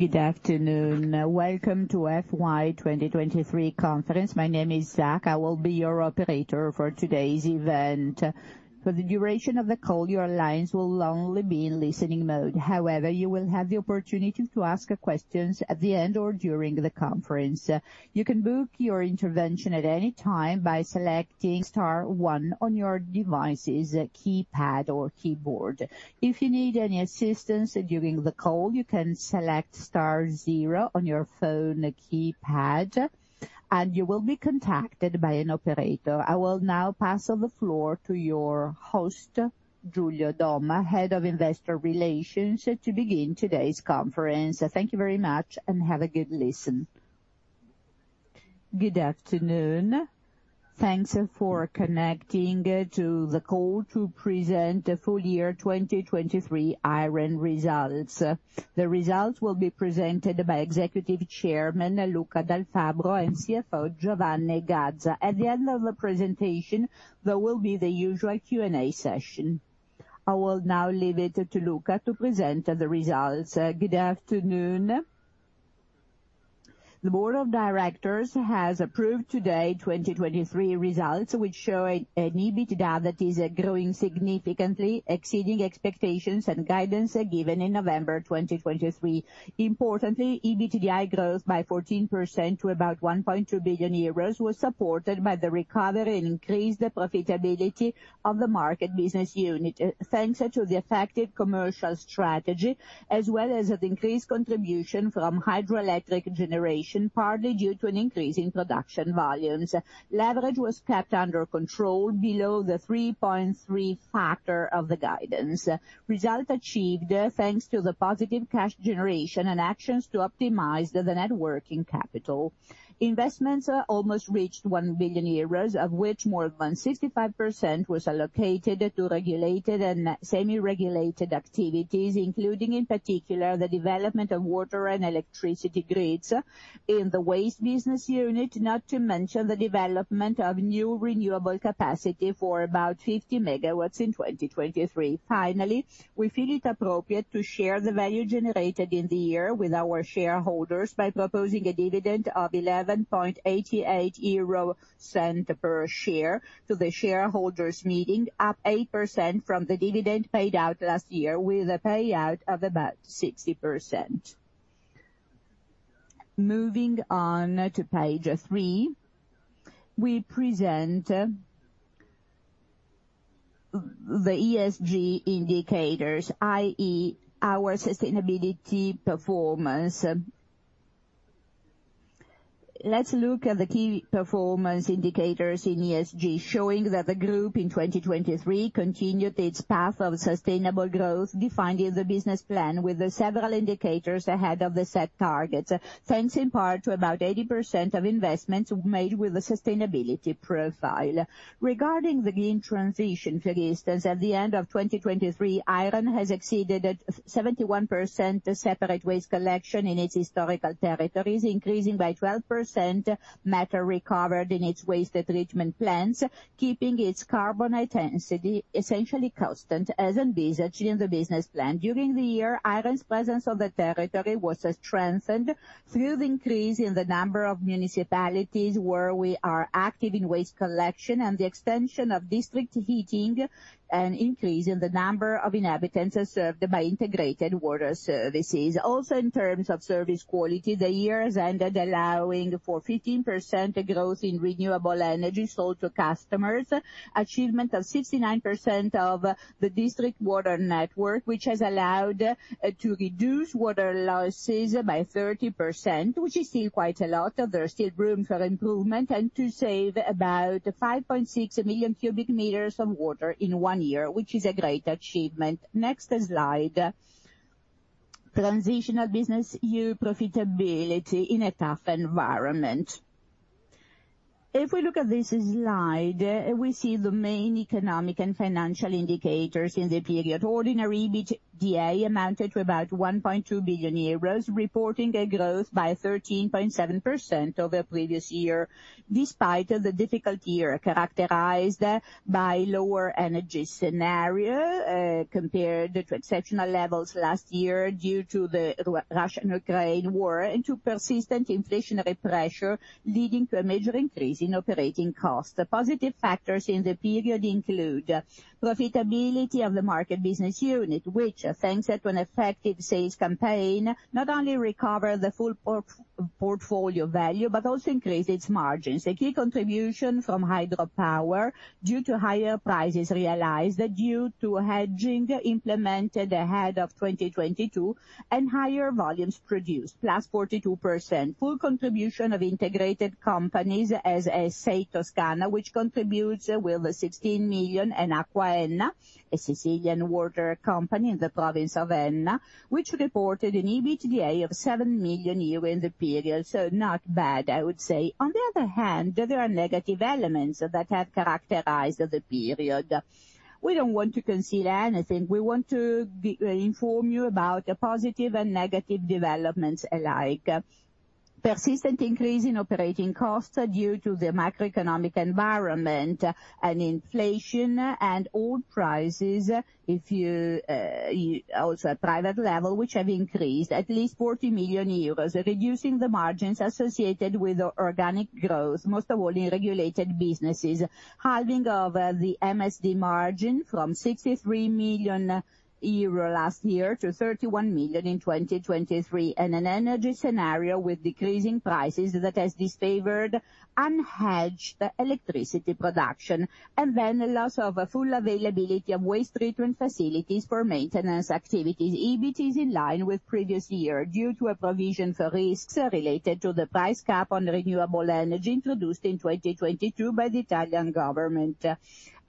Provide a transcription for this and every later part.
Good afternoon. Welcome to FY 2023 conference. My name is Zach. I will be your operator for today's event. For the duration of the call, your lines will only be in listening mode. However, you will have the opportunity to ask questions at the end or during the conference. You can book your intervention at any time by selecting star one on your device's keypad or keyboard. If you need any assistance during the call, you can select star zero on your phone keypad, and you will be contacted by an operator. I will now pass the floor to your host, Giulio Domma, head of investor relations, to begin today's conference. Thank you very much, and have a good listen. Good afternoon. Thanks for connecting to the call to present the full year 2023 Iren results. The results will be presented by Executive Chairman Luca Dal Fabbro and CFO Giovanni Gazza. At the end of the presentation, there will be the usual Q&A session. I will now leave it to Luca to present the results. Good afternoon. The board of directors has approved today 2023 results, which show an EBITDA that is growing significantly, exceeding expectations and guidance given in November 2023. Importantly, EBITDA growth by 14% to about 1.2 billion euros was supported by the recovery and increased profitability of the market business unit, thanks to the effective commercial strategy as well as an increased contribution from hydroelectric generation, partly due to an increase in production volumes. Leverage was kept under control, below the 3.3 factor of the guidance. Results achieved thanks to the positive cash generation and actions to optimize the net working capital. Investments almost reached 1 billion euros, of which more than 65% was allocated to regulated and semi-regulated activities, including in particular the development of water and electricity grids in the waste business unit, not to mention the development of new renewable capacity for about 50 megawatts in 2023. Finally, we feel it appropriate to share the value generated in the year with our shareholders by proposing a dividend of 11.88 euro per share to the shareholders' meeting, up 8% from the dividend paid out last year, with a payout of about 60%. Moving on to page 3, we present the ESG indicators, i.e., our sustainability performance. Let's look at the key performance indicators in ESG, showing that the group in 2023 continued its path of sustainable growth defined in the business plan, with several indicators ahead of the set targets, thanks in part to about 80% of investments made with a sustainability profile. Regarding the green transition, for instance, at the end of 2023, Iren has exceeded 71% separate waste collection in its historical territories, increasing by 12% matter recovered in its waste treatment plants, keeping its carbon intensity essentially constant as envisaged in the business plan. During the year, Iren's presence on the territory was strengthened through the increase in the number of municipalities where we are active in waste collection and the extension of district heating and increase in the number of inhabitants served by integrated water services. Also, in terms of service quality, the year has ended allowing for 15% growth in renewable energy sold to customers, achievement of 69% of the district water network, which has allowed to reduce water losses by 30%, which is still quite a lot. There's still room for improvement and to save about 5.6 million cubic meters of water in one year, which is a great achievement. Next slide. Transitional business profitability in a tough environment. If we look at this slide, we see the main economic and financial indicators in the period. Ordinary EBITDA amounted to about 1.2 billion euros, reporting a growth by 13.7% over previous years, despite the difficult year characterized by lower energy scenarios compared to exceptional levels last year due to the Russia-Ukraine war and to persistent inflationary pressure leading to a major increase in operating costs. Positive factors in the period include profitability of the market business unit, which, thanks to an effective sales campaign, not only recovered the full portfolio value but also increased its margins. A key contribution from Hydropower, due to higher prices realized due to hedging implemented ahead of 2022 and higher volumes produced, plus 42%. Full contribution of integrated companies as Sei Toscana, which contributes with 16 million, and AcquaEnna, a Sicilian water company in the province of Enna, which reported an EBITDA of 7 million euro in the period. So not bad, I would say. On the other hand, there are negative elements that have characterized the period. We don't want to conceal anything. We want to inform you about positive and negative developments alike. Persistent increase in operating costs due to the macroeconomic environment and inflation and oil prices, if you also at private level, which have increased at least 40 million euros, reducing the margins associated with organic growth, most of all in regulated businesses. Halving of the MSD margin from 63 million euro last year to 31 million in 2023, and an energy scenario with decreasing prices that has disfavored unhedged electricity production, and then loss of full availability of waste treatment facilities for maintenance activities. EBIT is in line with previous year due to a provision for risks related to the price cap on renewable energy introduced in 2022 by the Italian government,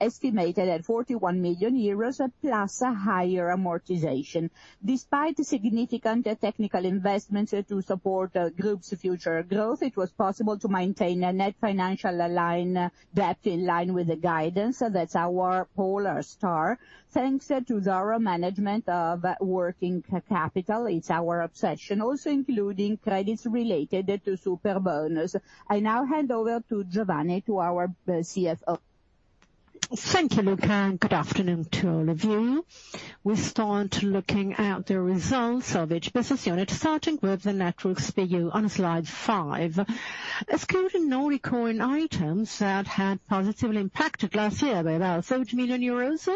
estimated at 41 million euros plus a higher amortization. Despite significant technical investments to support the group's future growth, it was possible to maintain a net financial debt in line with the guidance. That's our polestar, thanks to thorough management of working capital. It's our obsession, also including credits related to Superbonus. I now hand over to Giovanni, to our CFO. Thank you, Luca. Good afternoon to all of you. We start looking at the results of each business unit, starting with the networks for you on slide five. Excluding non-recurring items that had positively impacted last year by about 70 million euros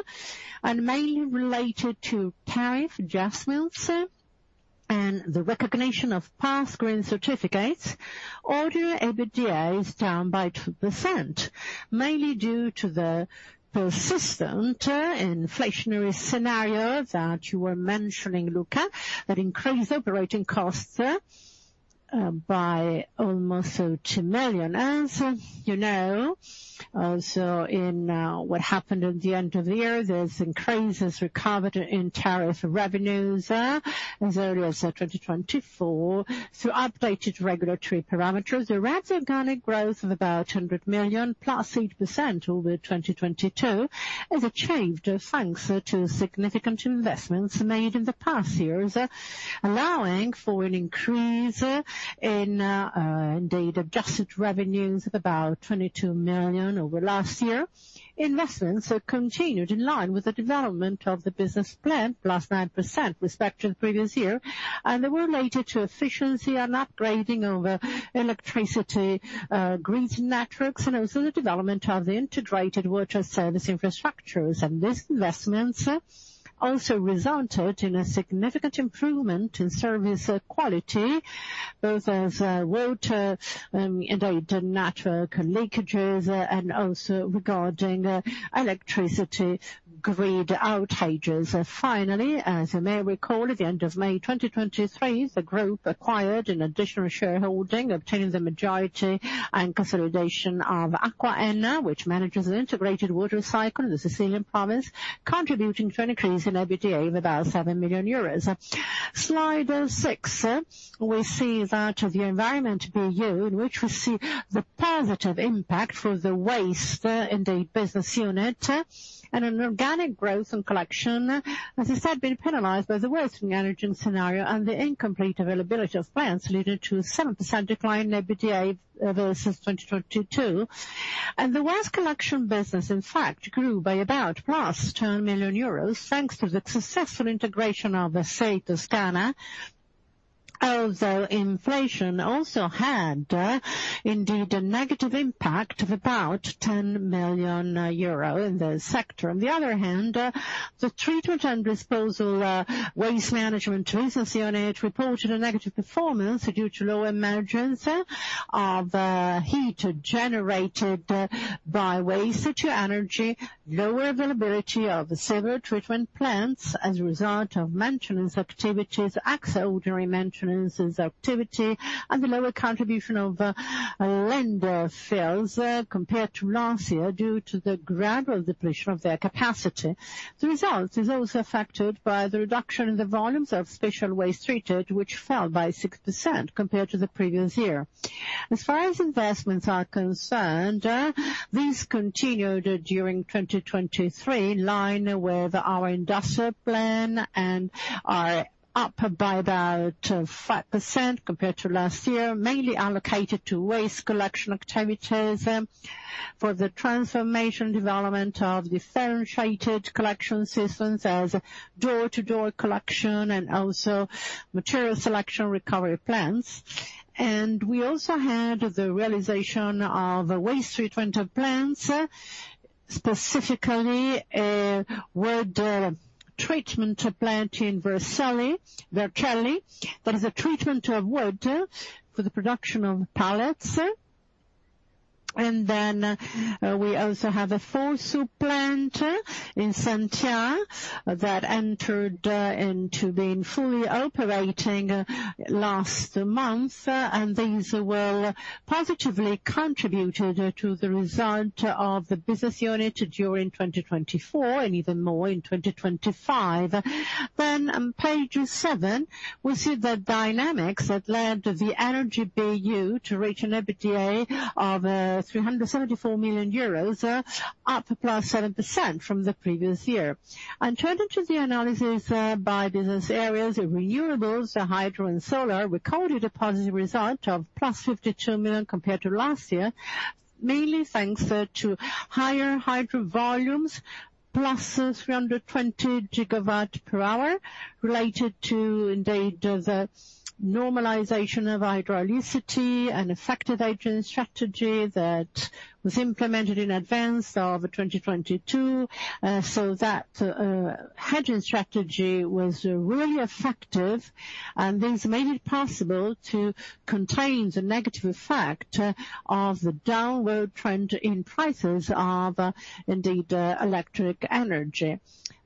and mainly related to tariff adjustments, and the recognition of past green certificates, ordinary EBITDA is down by 2%, mainly due to the persistent inflationary scenario that you were mentioning, Luca, that increased operating costs by almost 2 million. As you know, also in what happened at the end of the year, there's increases recovered in tariff revenues as early as 2024. Through updated regulatory parameters, there was organic growth of about 100 million, plus 8% over 2022, is achieved thanks to significant investments made in the past years, allowing for an increase in, indeed, adjusted revenues of about 22 million over last year. Investments continued in line with the development of the business plan, +9% respective previous year, and they were related to efficiency and upgrading of electricity grid networks and also the development of the integrated water service infrastructures. These investments also resulted in a significant improvement in service quality, both as water, indeed, network leakages and also regarding electricity grid outages. Finally, as you may recall, at the end of May 2023, the group acquired an additional shareholding, obtaining the majority and consolidation of AcquaEnna, which manages an integrated water cycle in the Sicilian province, contributing to an increase in EBITDA of about 7 million euros. Slide six. We see that the environmental BU, in which we see the positive impact for the waste, indeed, business unit and an organic growth and collection, as I said, been penalized by the worst managing scenario and the incomplete availability of plants leading to a 7% decline in EBITDA versus 2022. The waste collection business, in fact, grew by about +10 million euros, thanks to the successful integration of Sei Toscana, although inflation also had, indeed, a negative impact of about 10 million euro in the sector. On the other hand, the treatment and disposal waste management business unit reported a negative performance due to lower emergence of heat generated by waste to energy, lower availability of sewer treatment plants as a result of maintenance activities, extraordinary maintenance activity, and the lower contribution of landfills compared to last year due to the gradual depletion of their capacity. The results are also affected by the reduction in the volumes of special waste treated, which fell by 6% compared to the previous year. As far as investments are concerned, these continued during 2023, in line with our industrial plan and are up by about 5% compared to last year, mainly allocated to waste collection activities for the transformation development of differentiated collection systems as door-to-door collection and also material selection recovery plants. We also had the realization of waste treatment plants, specifically a wood treatment plant in Vercelli that is a treatment of wood for the production of pallets. Then we also have a FORSU plant in Santhià that entered into being fully operating last month, and these were positively contributed to the result of the business unit during 2024 and even more in 2025. Then on page 7, we see the dynamics that led the energy BU to reach an EBITDA of 374 million euros, up +7% from the previous year. And turning to the analysis by business areas, renewables, hydro, and solar recorded a positive result of +52 million compared to last year, mainly thanks to higher hydro volumes, +320 GWh, related to, indeed, the normalization of hydraulicity and effective hedging strategy that was implemented in advance of 2022. So that hedging strategy was really effective, and this made it possible to contain the negative effect of the downward trend in prices of, indeed, electric energy.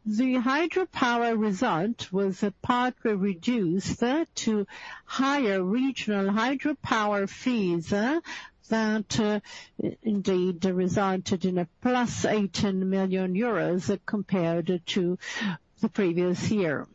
The hydropower result was partly reduced to higher regional hydropower fees that, indeed, resulted in a +18 million euros compared to the previous year.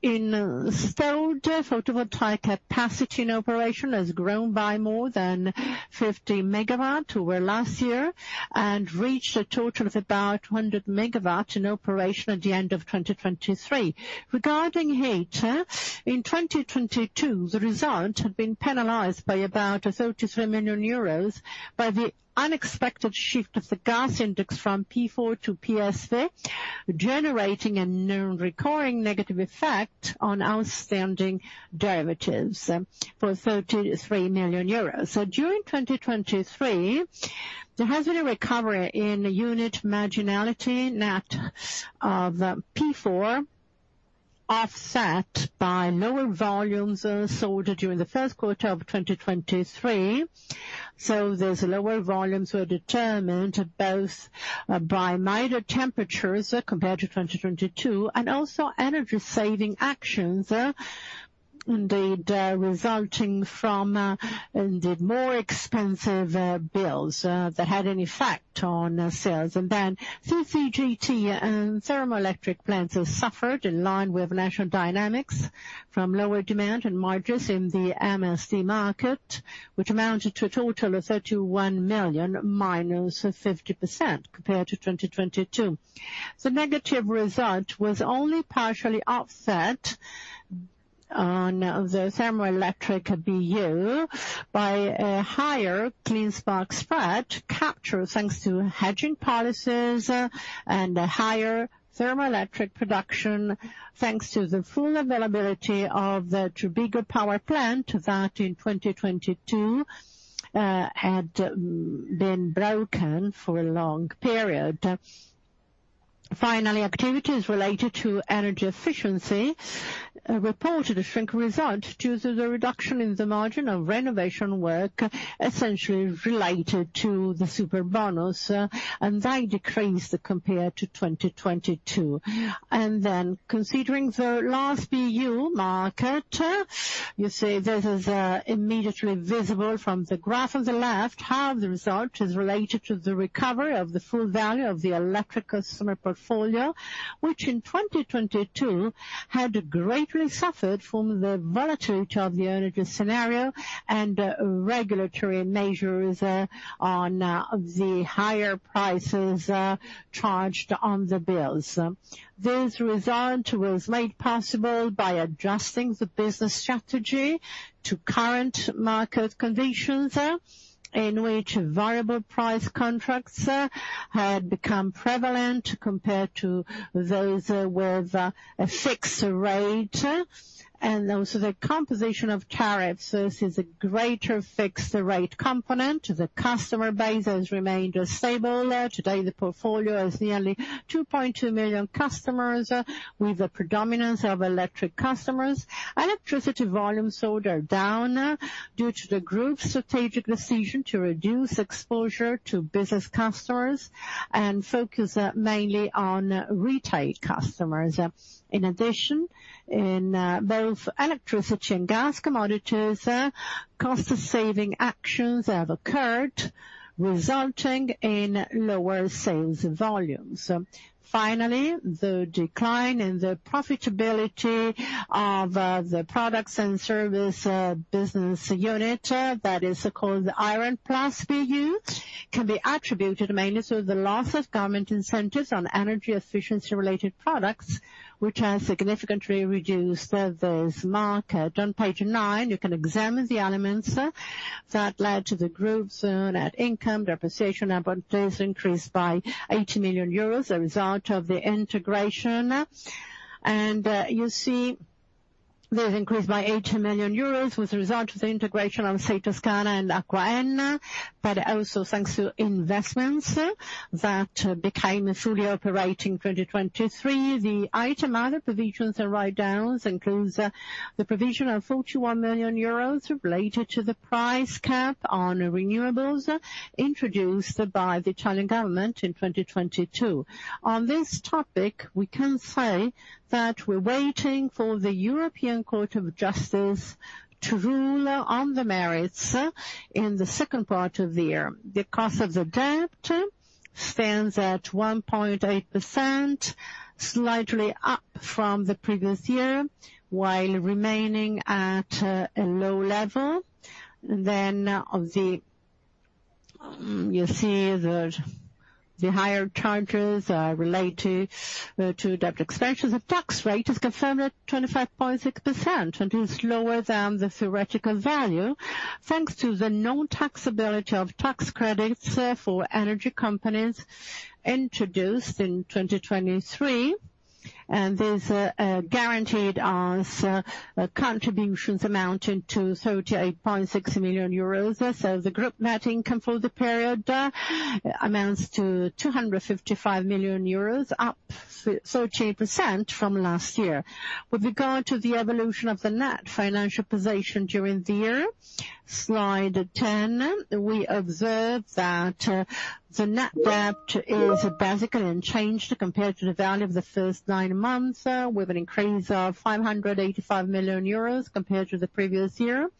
Instead, photovoltaic capacity in operation has grown by more than 50 MW over last year and reached a total of about 100 MW in operation at the end of 2023. Regarding heat, in 2022, the result had been penalized by about 33 million euros by the unexpected shift of the gas index from P4 to PSV, generating a non-recurring negative effect on outstanding derivatives for 33 million euros. So during 2023, there has been a recovery in unit marginality net of P4 offset by lower volumes sold during the first quarter of 2023. So there's lower volumes were determined both by milder temperatures compared to 2022 and also energy-saving actions, indeed, resulting from, indeed, more expensive bills that had an effect on sales. And then CCGT and thermoelectric plants have suffered in line with national dynamics from lower demand and margins in the MSD market, which amounted to a total of 31 million -50% compared to 2022. The negative result was only partially offset on the thermoelectric BU by a higher clean spark spread captured thanks to hedging policies and higher thermoelectric production thanks to the full availability of the Turbigo power plant that in 2022 had been broken for a long period. Finally, activities related to energy efficiency reported a shrinking result due to the reduction in the margin of renovation work essentially related to the Superbonus, and that decreased compared to 2022. Then considering the last BU market, you see this is immediately visible from the graph on the left, how the result is related to the recovery of the full value of the electric customer portfolio, which in 2022 had greatly suffered from the volatility of the energy scenario and regulatory measures on the higher prices charged on the bills. This result was made possible by adjusting the business strategy to current market conditions in which variable price contracts had become prevalent compared to those with a fixed rate. Also the composition of tariffs is a greater fixed-rate component. The customer base has remained stable. Today, the portfolio has nearly 2.2 million customers with a predominance of electric customers. Electricity volumes sold are down due to the group's strategic decision to reduce exposure to business customers and focus mainly on retail customers. In addition, in both electricity and gas commodities, cost-saving actions have occurred, resulting in lower sales volumes. Finally, the decline in the profitability of the products and service business unit that is called the Iren Plus BU can be attributed mainly to the loss of government incentives on energy efficiency-related products, which has significantly reduced this market. On page nine, you can examine the elements that led to the group's net income, depreciation, and amortization increase by 80 million euros as a result of the integration. And you see there's increase by 80 million euros with the result of the integration of Sei Toscana and AcquaEnna, but also thanks to investments that became fully operating 2023. The item other provisions and write-downs include the provision of 41 million euros related to the price cap on renewables introduced by the Italian government in 2022. On this topic, we can say that we're waiting for the European Court of Justice to rule on the merits in the second part of the year. The cost of the debt stands at 1.8%, slightly up from the previous year while remaining at a low level. And then you see that the higher charges related to debt expansion, the tax rate is confirmed at 25.6%, and it's lower than the theoretical value thanks to the non-taxability of tax credits for energy companies introduced in 2023. And these are guaranteed as contributions amounting to 38.6 million euros. So the group net income for the period amounts to 255 million euros, up 38% from last year. With regard to the evolution of the net financial position during the year, slide 10, we observe that the net debt is basically unchanged compared to the value of the first nine months with an increase of 585 million euros compared to the previous year.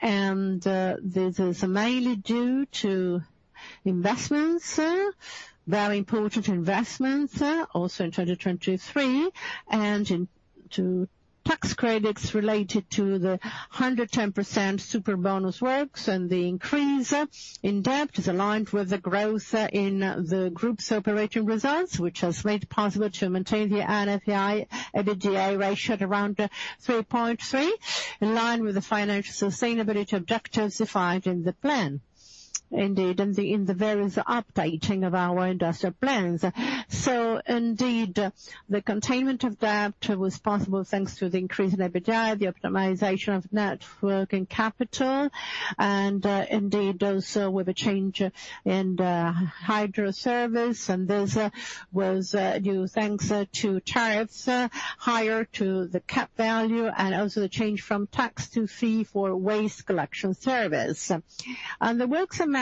This is mainly due to investments, very important investments also in 2023, and to tax credits related to the 110% Superbonus works. The increase in debt is aligned with the growth in the group's operating results, which has made it possible to maintain the NFP/EBITDA ratio at around 3.3, in line with the financial sustainability objectives defined in the plan, indeed, in the various updating of our industrial plans. Indeed, the containment of debt was possible thanks to the increase in EBITDA, the optimization of network and capital, and indeed also with a change in hydro service. This was due thanks to tariffs higher to the cap value and also the change from tax to fee for waste collection service. The works amounting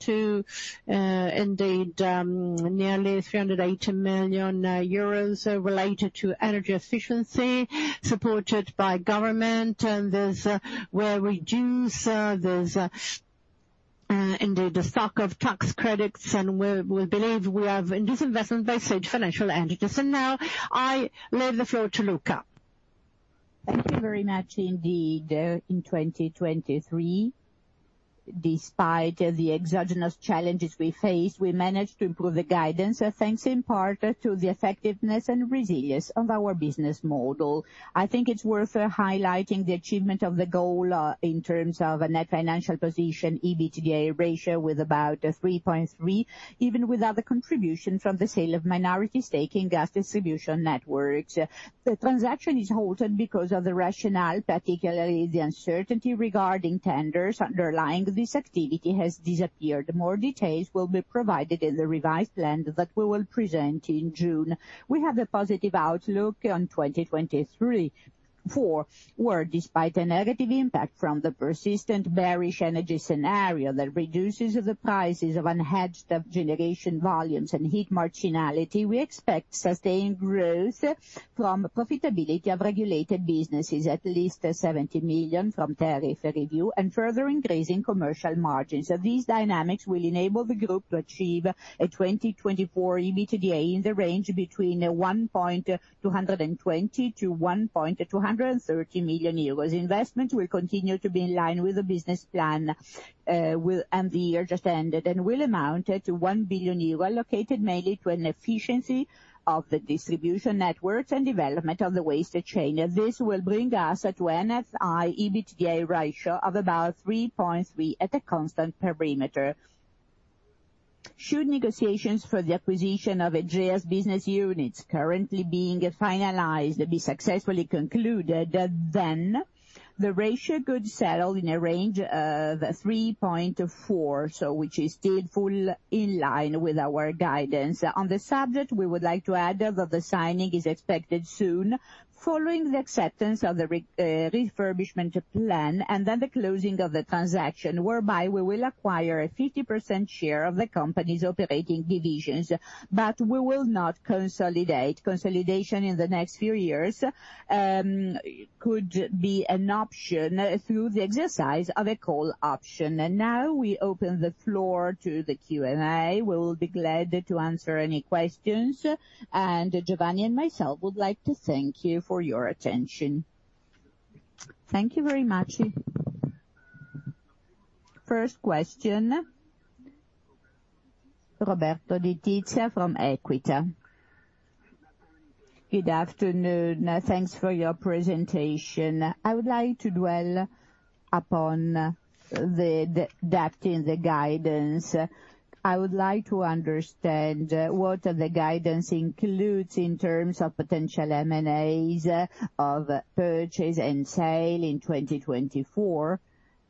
to, indeed, nearly 380 million euros related to energy efficiency supported by government. There's where we reduce, there's, indeed, the stock of tax credits. We believe we have in this investment base, financial entities. Now I leave the floor to Luca. Thank you very much. Indeed, in 2023, despite the exogenous challenges we faced, we managed to improve the guidance thanks in part to the effectiveness and resilience of our business model. I think it's worth highlighting the achievement of the goal in terms of a net financial position EBITDA ratio with about 3.3, even without the contribution from the sale of minority staking gas distribution networks. The transaction is halted because the rationale, particularly the uncertainty regarding tenders underlying this activity, has disappeared. More details will be provided in the revised plan that we will present in June. We have a positive outlook on 2023, where despite a negative impact from the persistent bearish energy scenario that reduces the prices of unhedged generation volumes and heat marginality, we expect sustained growth from profitability of regulated businesses, at least 70 million from tariff review, and further increasing commercial margins. So these dynamics will enable the group to achieve a 2024 EBITDA in the range between 1,220 million-1,230 million euros. Investments will continue to be in line with the business plan, and the year just ended, and will amount to 1 billion euro allocated mainly to an efficiency of the distribution networks and development of the waste chain. This will bring us to an NFP/EBITDA ratio of about 3.3 at a constant perimeter. Should negotiations for the acquisition of Egea's business units currently being finalized be successfully concluded, then the ratio could settle in a range of 3.4, which is still fully in line with our guidance. On the subject, we would like to add that the signing is expected soon following the acceptance of the refurbishment plan and then the closing of the transaction, whereby we will acquire a 50% share of the company's operating divisions, but we will not consolidate. Consolidation in the next few years could be an option through the exercise of a call option. Now we open the floor to the Q&A. We will be glad to answer any questions. Giovanni and myself would like to thank you for your attention. Thank you very much. First question, Roberto Letizia from Equita. Good afternoon. Thanks for your presentation. I would like to dwell upon the debt in the guidance. I would like to understand what the guidance includes in terms of potential M&As of purchase and sale in 2024,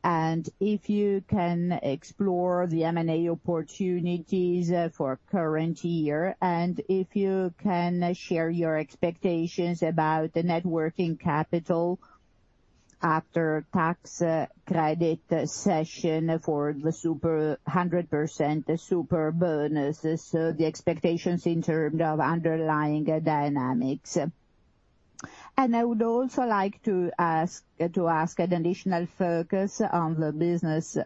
and if you can explore the M&A opportunities for current year, and if you can share your expectations about net working capital after tax credit cessation for the 110% Superbonus, the expectations in terms of underlying dynamics. And I would also like to ask an additional focus on the waste business,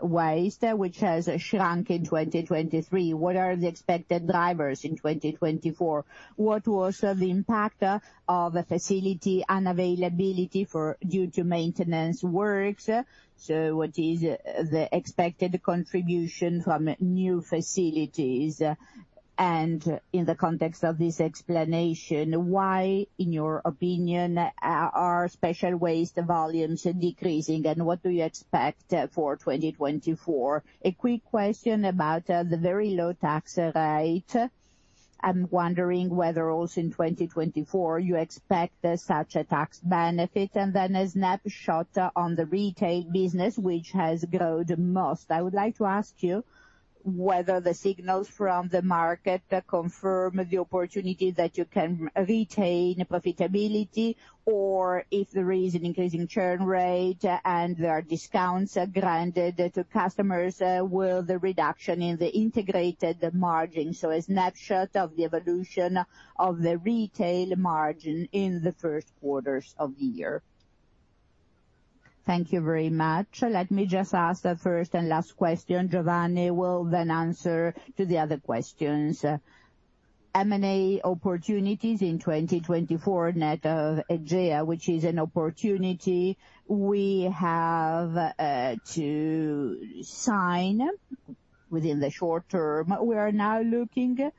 which has shrunk in 2023. What are the expected drivers in 2024? What was the impact of a facility unavailability due to maintenance works? So what is the expected contribution from new facilities? In the context of this explanation, why, in your opinion, are special waste volumes decreasing, and what do you expect for 2024? A quick question about the very low tax rate. I'm wondering whether also in 2024 you expect such a tax benefit. Then a snapshot on the retail business, which has grown the most. I would like to ask you whether the signals from the market confirm the opportunity that you can retain profitability, or if there is an increasing churn rate and there are discounts granted to customers with the reduction in the integrated margin. A snapshot of the evolution of the retail margin in the first quarters of the year. Thank you very much. Let me just ask the first and last question. Giovanni will then answer to the other questions. M&A opportunities in 2024 net of Egea, which is an opportunity we have to sign within the short term. We are now looking at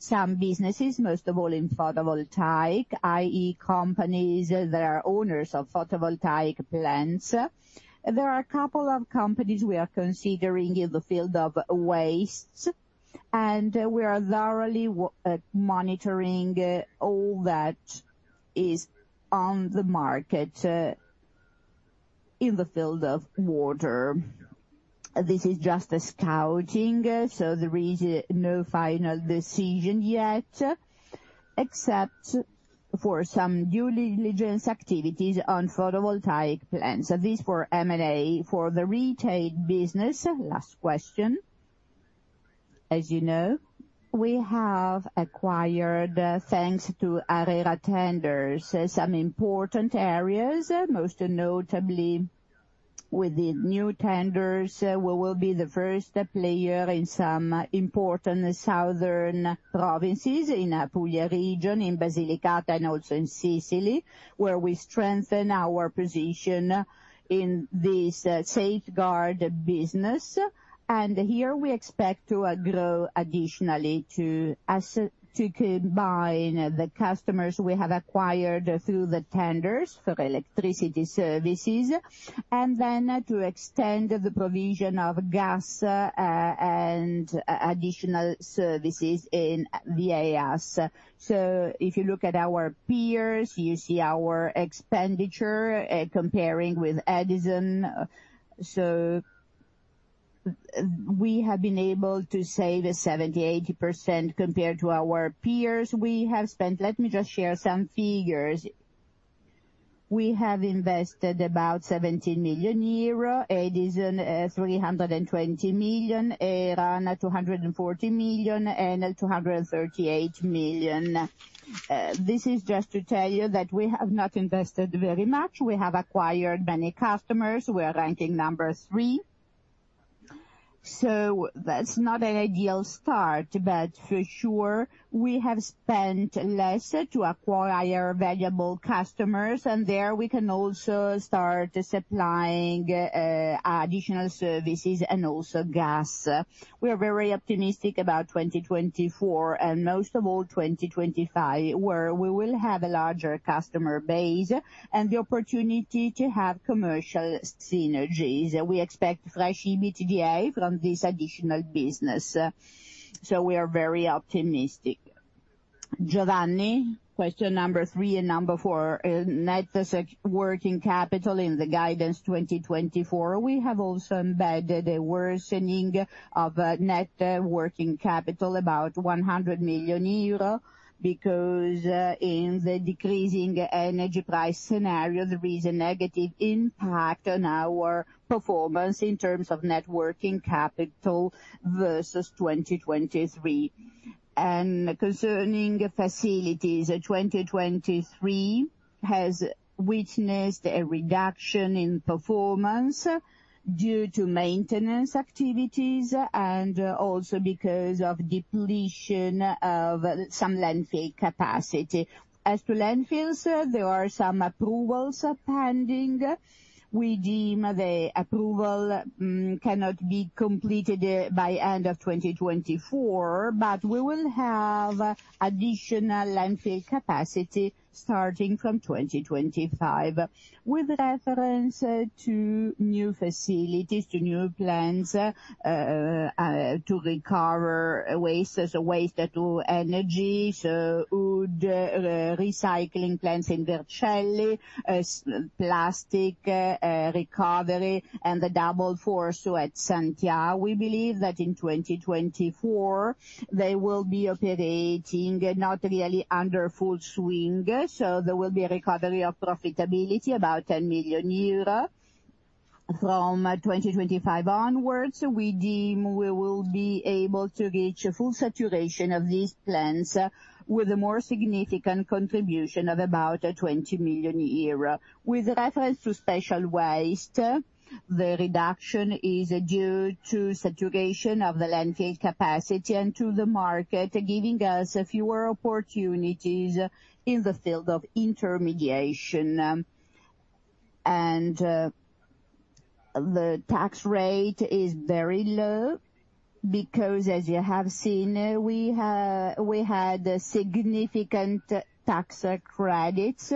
some businesses, most of all in photovoltaic, i.e., companies that are owners of photovoltaic plants. There are a couple of companies we are considering in the field of waste, and we are thoroughly monitoring all that is on the market in the field of water. This is just a scouting. So there is no final decision yet, except for some due diligence activities on photovoltaic plants. These were M&A for the retail business. Last question. As you know, we have acquired, thanks to ARERA tenders, some important areas. Most notably, with the new tenders, we will be the first player in some important southern provinces in the Puglia region, in Basilicata, and also in Sicily, where we strengthen our position in this safeguard business. Here we expect to grow additionally to combine the customers we have acquired through the tenders for electricity services and then to extend the provision of gas and additional services in the AS. So if you look at our peers, you see our expenditure comparing with Edison. So we have been able to save 70%-80% compared to our peers. Let me just share some figures. We have invested about 17 million euro, Edison 320 million, A2A 240 million, and 238 million. This is just to tell you that we have not invested very much. We have acquired many customers. We are ranking number three. So that's not an ideal start, but for sure, we have spent less to acquire valuable customers. And there we can also start supplying additional services and also gas. We are very optimistic about 2024 and most of all 2025, where we will have a larger customer base and the opportunity to have commercial synergies. We expect fresh EBITDA from this additional business. So, we are very optimistic. Giovanni, question number three and number four, net working capital in the guidance 2024. We have also embedded a worsening of net working capital, about 100 million euro, because in the decreasing energy price scenario, there is a negative impact on our performance in terms of net working capital versus 2023. Concerning facilities, 2023 has witnessed a reduction in performance due to maintenance activities and also because of depletion of some landfill capacity. As to landfills, there are some approvals pending. We deem the approval cannot be completed by the end of 2024, but we will have additional landfill capacity starting from 2025 with reference to new facilities, to new plants to recover waste, so waste to energy, so wood recycling plants in Vercelli, plastic recovery, and the double furnace at Santhià. We believe that in 2024, they will be operating not really under full swing. There will be a recovery of profitability about 10 million euro. From 2025 onwards, we deem we will be able to reach full saturation of these plants with a more significant contribution of about 20 million euro. With reference to special waste, the reduction is due to saturation of the landfill capacity and to the market, giving us fewer opportunities in the field of intermediation. The tax rate is very low because, as you have seen, we had significant tax credits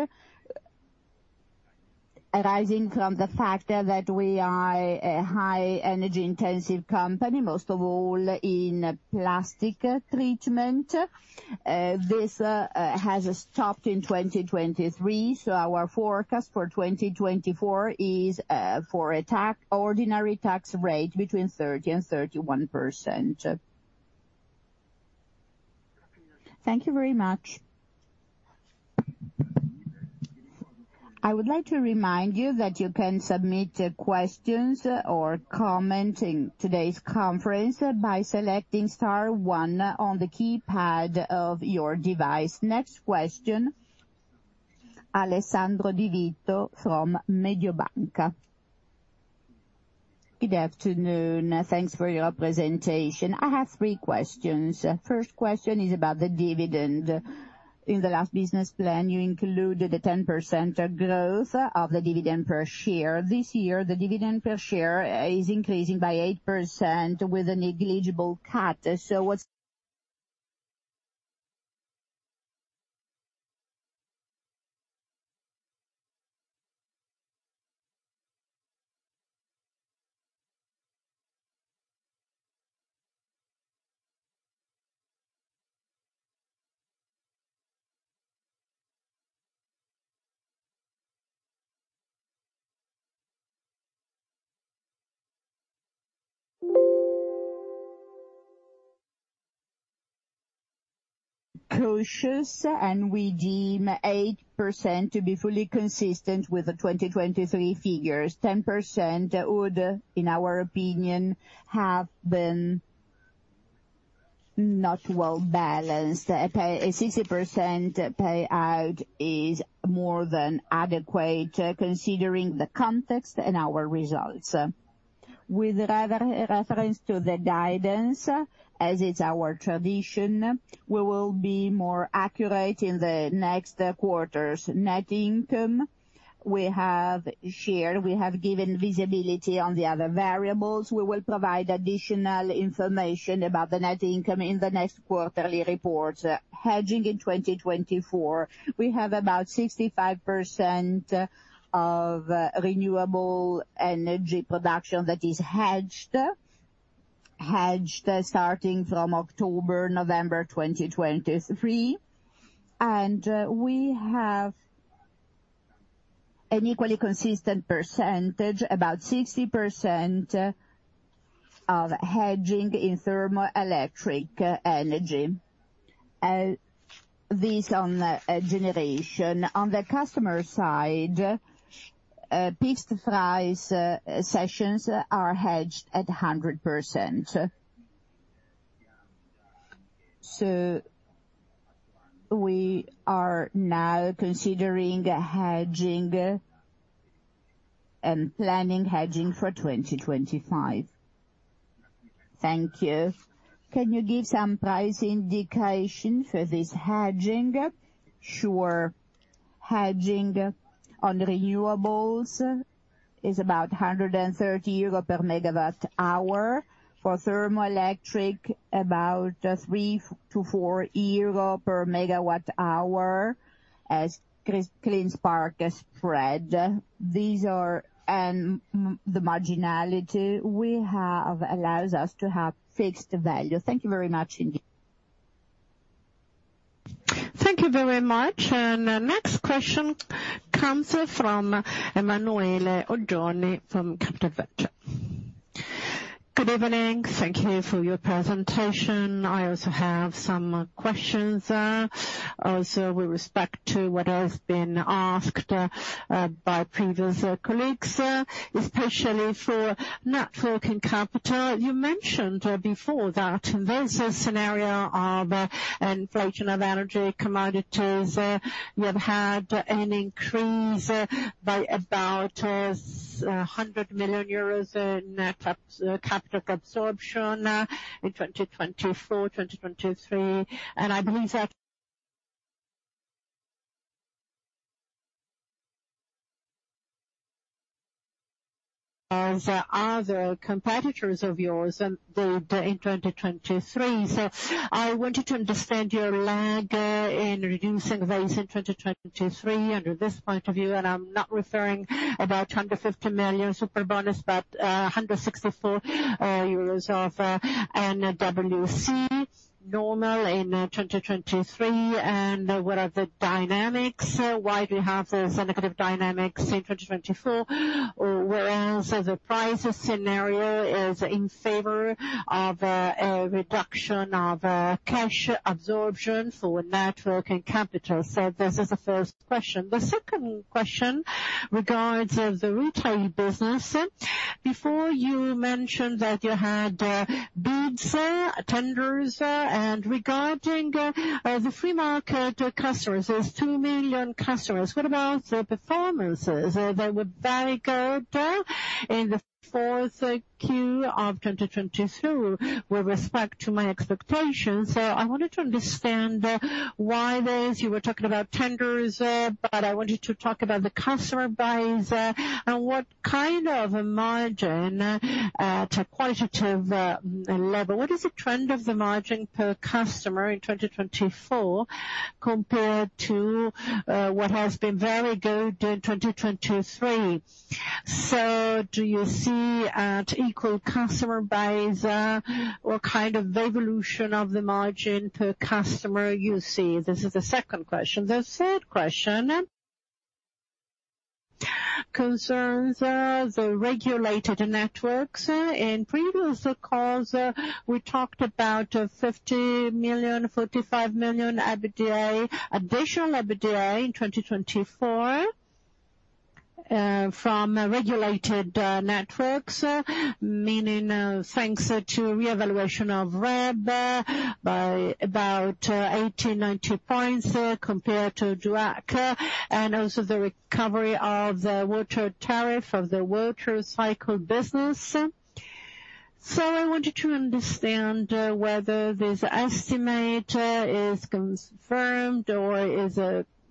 arising from the fact that we are a high-energy-intensive company, most of all in plastic treatment. This has stopped in 2023. So, our forecast for 2024 is for an ordinary tax rate between 30%-31%. Thank you very much. I would like to remind you that you can submit questions or comments in today's conference by selecting star one on the keypad of your device. Next question, Alessandro Di Vito from Mediobanca. Good afternoon. Thanks for your presentation. I have three questions. First question is about the dividend. In the last business plan, you included the 10% growth of the dividend per share. This year, the dividend per share is increasing by 8% with a negligible cut. So what's cautious, and we deem 8% to be fully consistent with the 2023 figures. 10% would, in our opinion, have been not well balanced. A 60% payout is more than adequate considering the context and our results. With reference to the guidance, as it's our tradition, we will be more accurate in the next quarters. Net income, we have shared. We have given visibility on the other variables. We will provide additional information about the net income in the next quarterly reports. Hedging in 2024, we have about 65% of renewable energy production that is hedged, hedged starting from October, November 2023. And we have an equally consistent percentage, about 60% of hedging in thermoelectric energy. This on generation. On the customer side, fixed price sessions are hedged at 100%. So, we are now considering hedging and planning hedging for 2025. Thank you. Can you give some price indication for this hedging? Sure. Hedging on renewables is about 130 euro per MWh. For thermoelectric, about 3-4 euro per MWh, as Clean Spark Spread. And the marginality we have allows us to have fixed value. Thank you very much, Indeed. Thank you very much. And next question comes from Emanuele Oggioni from Kepler Cheuvreux. Good evening. Thank you for your presentation. I also have some questions, also with respect to what has been asked by previous colleagues, especially for net working capital. You mentioned before that in those scenarios of inflation of energy commodities, you have had an increase by about 100 million euros in net capital absorption in 2024, 2023. And I believe that as other competitors of yours did in 2023. So I wanted to understand your lag in reducing working capital in 2023 under this point of view. I'm not referring about 150 million super bonus, but 164 million euros of NWC normal in 2023. What are the dynamics? Why do we have those negative dynamics in 2024? Whereas the prices scenario is in favor of a reduction of cash absorption for net working capital. So this is the first question. The second question regards the retail business. Before, you mentioned that you had bids, tenders. And regarding the free market customers, there's 2 million customers. What about the performances? They were very good in the 4Q of 2023 with respect to my expectations. So I wanted to understand why those. You were talking about tenders, but I wanted to talk about the customer base and what kind of a margin to a qualitative level. What is the trend of the margin per customer in 2024 compared to what has been very good in 2023? So do you see an equal customer base? What kind of evolution of the margin per customer you see? This is the second question. The third question concerns the regulated networks. In previous calls, we talked about 50 million, 45 million additional EBITDA in 2024 from regulated networks, meaning thanks to reevaluation of RAB by about 18 points-19 points compared to the WACC and also the recovery of the water tariff of the water cycle business. So, I wanted to understand whether this estimate is confirmed or is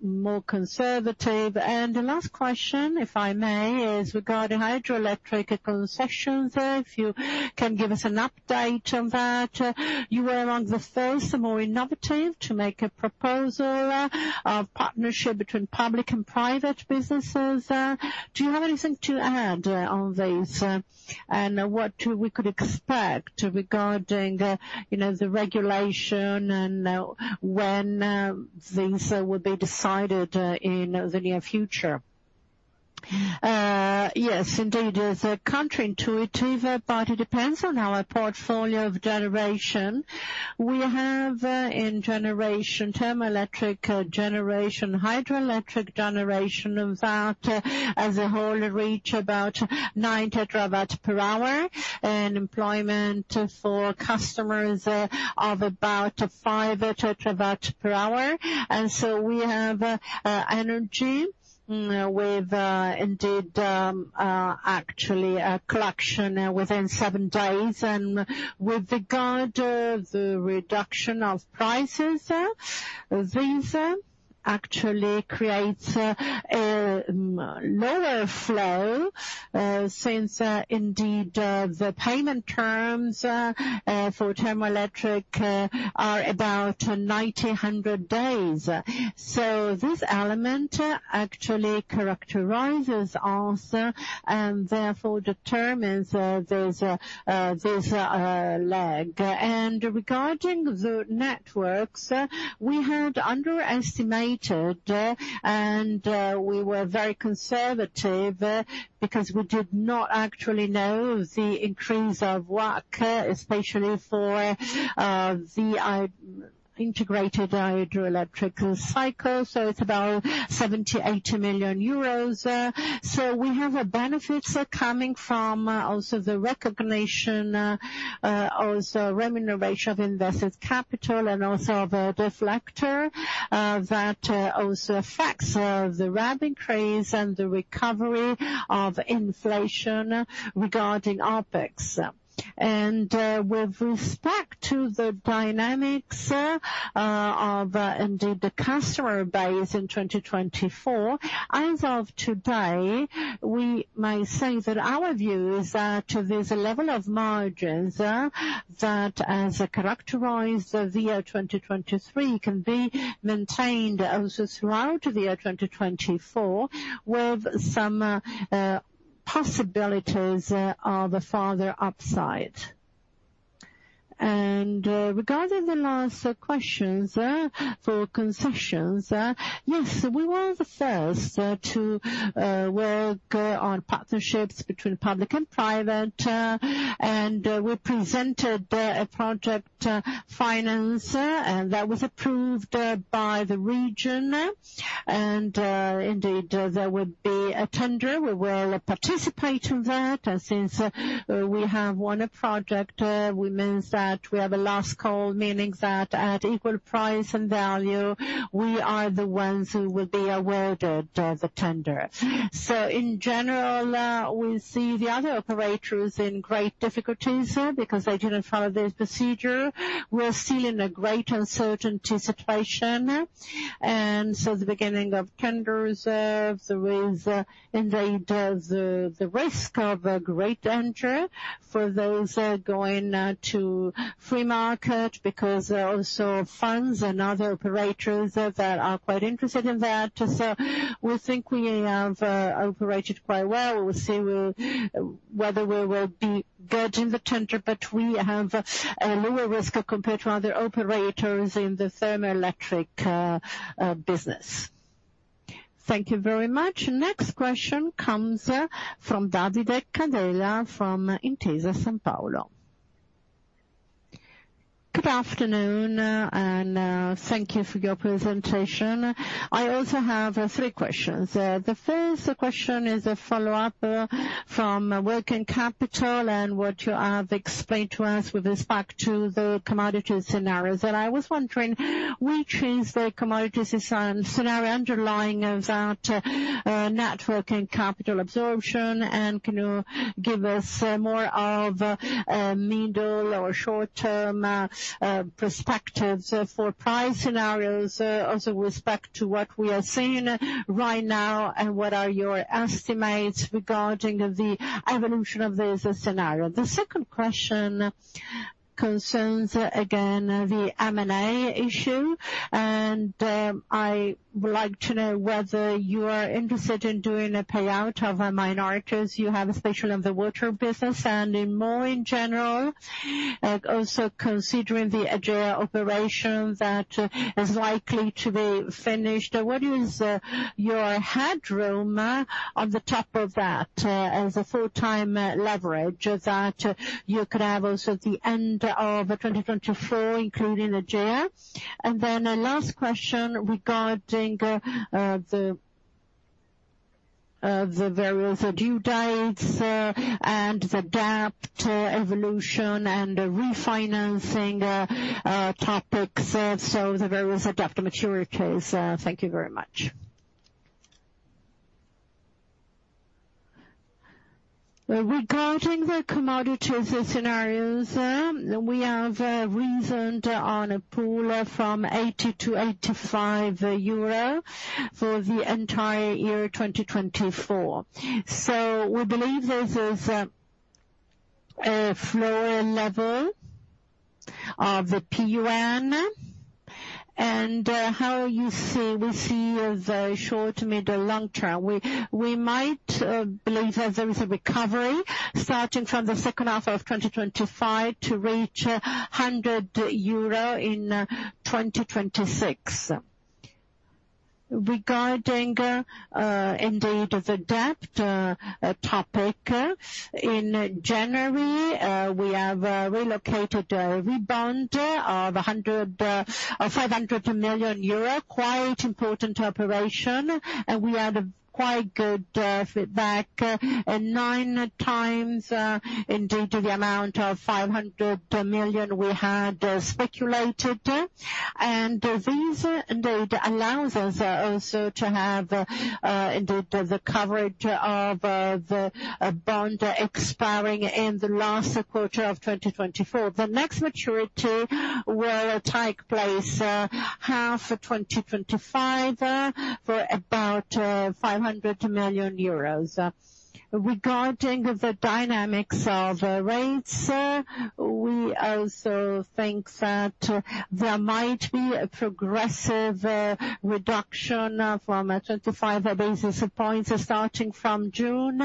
more conservative. And the last question, if I may, is regarding hydroelectric concessions. If you can give us an update on that. You were among the first more innovative to make a proposal of partnership between public and private businesses. Do you have anything to add on these and what we could expect regarding the regulation and when these will be decided in the near future? Yes, indeed, it is counter-intuitive, but it depends on our portfolio of generation. We have, in generation, thermoelectric generation, hydroelectric generation, that as a whole reach about 9 TWh and employment for customers of about 5 TWh. So, we have energy with, indeed, actually a collection within 7 days. And with regard to the reduction of prices, these actually create a lower flow since, indeed, the payment terms for thermoelectric are about 90 days-100 days. So this element actually characterizes us and therefore determines this lag. And regarding the networks, we had underestimated and we were very conservative because we did not actually know the increase of WACC, especially for the integrated hydroelectric cycle. So it's about 70 million-80 million euros. So we have benefits coming from also the recognition, also remuneration of invested capital and also of a deflator that also affects the RAB increase and the recovery of inflation regarding OpEx. With respect to the dynamics of, indeed, the customer base in 2024, as of today, we may say that our view is that there's a level of margins that, as characterized in 2023, can be maintained also throughout in 2024 with some possibilities of a further upside. Regarding the last questions for concessions, yes, we were the first to work on partnerships between public and private. We presented a project finance, and that was approved by the region. Indeed, there would be a tender. We will participate in that. And since we have won a project, we means that we have a last call, meaning that at equal price and value, we are the ones who will be awarded the tender. So in general, we see the other operators in great difficulties because they didn't follow this procedure. We're still in a great uncertainty situation. And so the beginning of tenders, there is, indeed, the risk of a great entry for those going to free market because also funds and other operators that are quite interested in that. So we think we have operated quite well. We will see whether we will be good in the tender, but we have a lower risk compared to other operators in the thermoelectric business. Thank you very much. Next question comes from Davide Candela from Intesa Sanpaolo. Good afternoon, and thank you for your presentation. I also have three questions. The first question is a follow-up from working capital and what you have explained to us with respect to the commodity scenarios. And I was wondering, which is the commodity scenario underlying that net working capital absorption? And can you give us more of a middle or short-term perspectives for price scenarios also with respect to what we are seeing right now and what are your estimates regarding the evolution of this scenario? The second question concerns, again, the M&A issue. And I would like to know whether you are interested in doing a payout of minorities. You have, especially in the water business and in more in general, also considering the Egea operation that is likely to be finished. What is your headroom on the top of that as a full-time leverage that you could have also at the end of 2024, including Egea? Then a last question regarding the various due dates and the debt evolution and refinancing topics, so the various debt maturities. Thank you very much. Regarding the commodities scenarios, we have reasoned on a pool from 80-85 euro for the entire year 2024. We believe this is a floor level of the PUN. And as you see we see the short, middle, long term. We might believe that there is a recovery starting from the second half of 2025 to reach 100 euro in 2026. Regarding, indeed, the debt topic, in January, we issued a bond of 500 million euro. Quite important operation. And we had quite good feedback, nine times, indeed, the amount of EUR 500 million we had sought. And these, indeed, allows us also to have, indeed, the coverage of the bond expiring in the last quarter of 2024. The next maturity will take place half 2025 for about 500 million euros. Regarding the dynamics of rates, we also think that there might be a progressive reduction from a 25 basis points starting from June.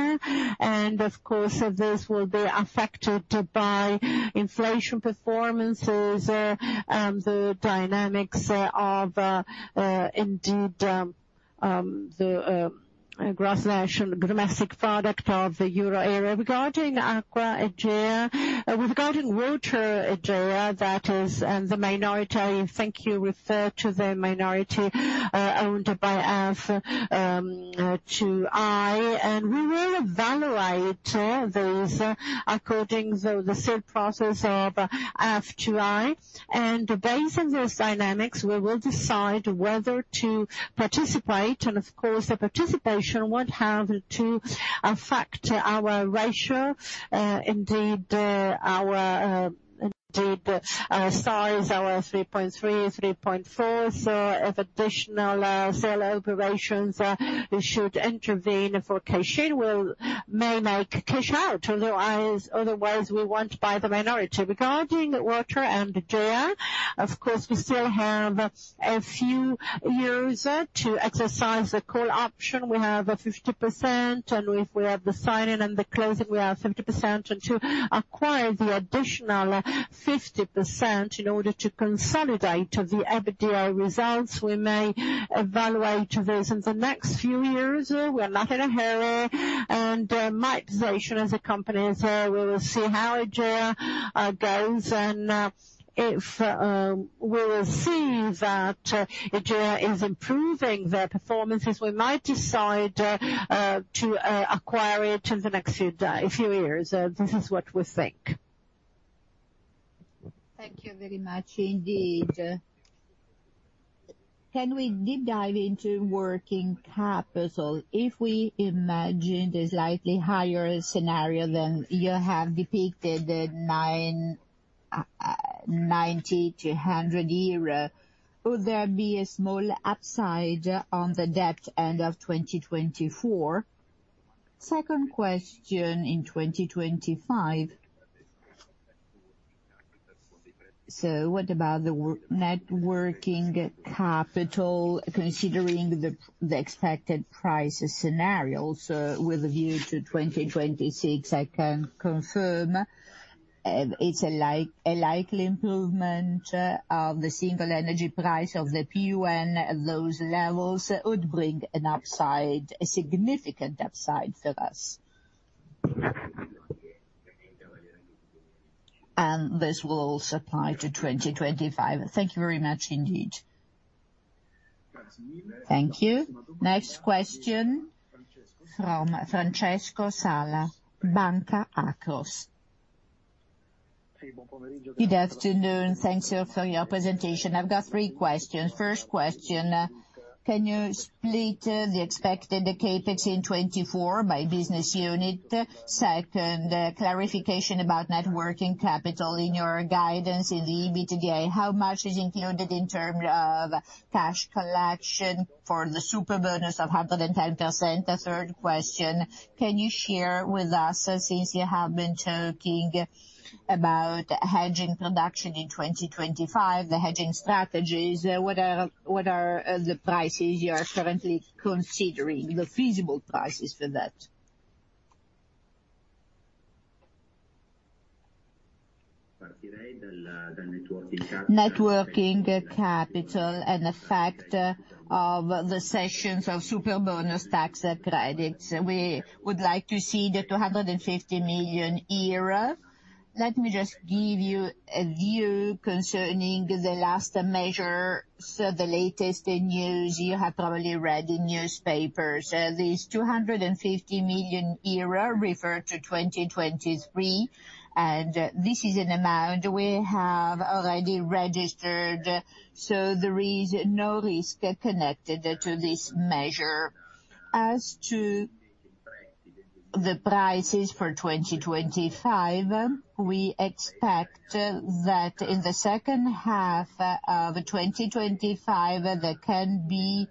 Of course, this will be affected by inflation performances, the dynamics of, indeed, the gross domestic product of the euro area. Regarding AcquaEnna, regarding water AcquaEnna, that is, and the minority, thank you, refer to the minority owned by F2i. We will evaluate these according to the sale process of F2i. Based on those dynamics, we will decide whether to participate. Of course, the participation would have to affect our ratio, indeed, our size, our 3.3, 3.4. So if additional sale operations should intervene for cash-in, we may make cash out. Otherwise, we won't buy the minority. Regarding water and AcquaEnna, of course, we still have a few years to exercise the call option. We have 50%. If we have the signing and the closing, we have 50%. To acquire the additional 50% in order to consolidate the EBITDA results, we may evaluate this in the next few years. We are not in a hurry. My position as a company is we will see how AcquaEnna goes. If we will see that AcquaEnna is improving their performances, we might decide to acquire it in the next few years. This is what we think. Thank you very much, indeed. Can we deep dive into working capital? If we imagine the slightly higher scenario than you have depicted, 90-100, would there be a small upside on the debt end of 2024? Second question, in 2025. So what about the net working capital considering the expected price scenarios with a view to 2026? I can confirm it's a likely improvement of the single energy price of the PUN. Those levels would bring an upside, a significant upside for us. And this will also apply to 2025. Thank you very much, indeed. Thank you. Next question from Francesco Sala, Banca Akros. Good afternoon. Thanks for your presentation. I've got three questions. First question, can you split the expected CapEx in 2024 by business unit? Second, clarification about net working capital in your guidance in the EBITDA. How much is included in terms of cash collection for the 110% Superbonus? Third question, can you share with us, since you have been talking about hedging production in 2025, the hedging strategies, what are the prices you are currently considering, the feasible prices for that? Working capital and the fact of the cessation of Superbonus tax credits. We would like to see the 250 million euro. Let me just give you a view concerning the last measure, so the latest news. You have probably read in newspapers. These 250 million refer to 2023. This is an amount we have already registered. So, there is no risk connected to this measure. As to the prices for 2025, we expect that in the second half of 2025, there can be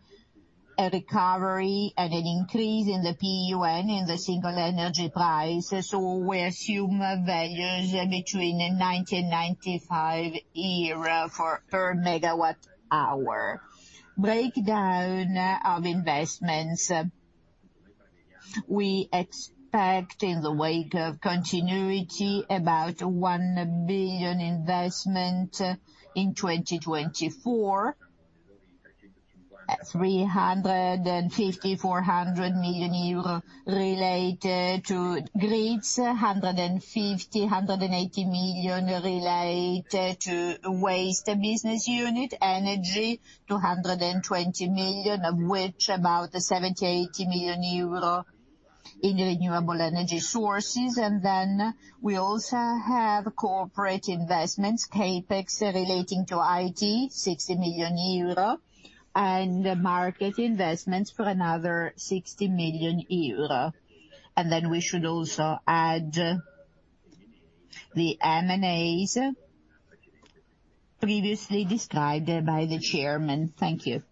a recovery and an increase in the PUN, in the single energy price. So, we assume values between 90 and EUR 95 per megawatt-hour. Breakdown of investments. We expect, in the wake of continuity, about 1 billion investment in 2024, EUR 350 million-EUR 400 million related to grids, 150 million-180 million related to waste business unit, energy, 220 million, of which about 70 million-80 million euro in renewable energy sources. And then we also have corporate investments, CapEx relating to IT, 60 million euro, and market investments for another 60 million euro. And then we should also add the M&As previously described by the chairman. Thank you.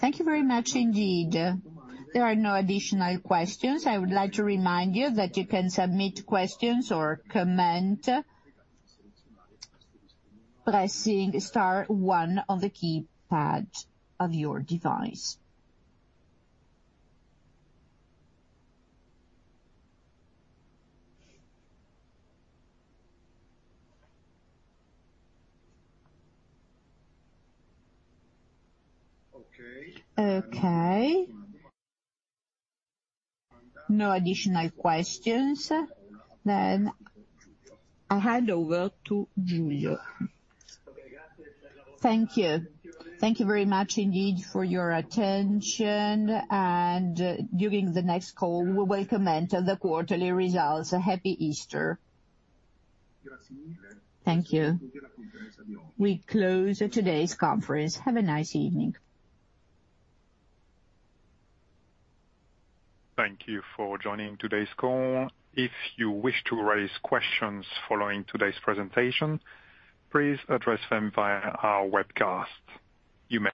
Thank you very much, indeed. There are no additional questions. I would like to remind you that you can submit questions or comment pressing star 1 on the keypad of your device. Okay. No additional questions. Then I hand over to Giulio. Thank you. Thank you very much, indeed, for your attention. During the next call, we will comment on the quarterly results. Happy Easter. Thank you. We close today's conference. Have a nice evening. Thank you for joining today's call. If you wish to raise questions following today's presentation, please address them via our webcast. You may.